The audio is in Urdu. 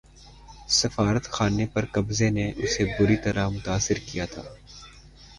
سفارت خانے پر قبضے نے اسے بری طرح متاثر کیا تھا